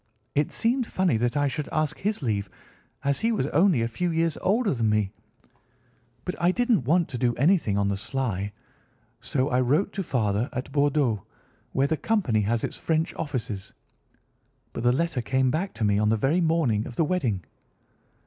It seemed funny that I should ask his leave, as he was only a few years older than me; but I didn't want to do anything on the sly, so I wrote to father at Bordeaux, where the company has its French offices, but the letter came back to me on the very morning of the wedding."